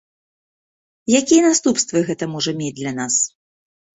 Якія наступствы гэта можа мець для нас?